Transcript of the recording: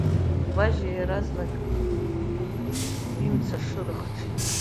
Важьа иаразнак имцашыра хҽит.